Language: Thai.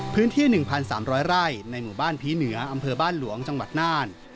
พื้นที่๑๓๐๐ไร่ในหมู่บ้านผีเหนืออำเภอบ้านหลวงจังหวัดน่าน